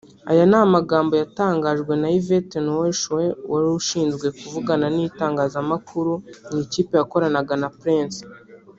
aya ni amagambo yatangajwe na Yvette Noel-Schure wari ushinzwe kuvugana n’itangazamakuru mu ikipe yakoranaga na Prince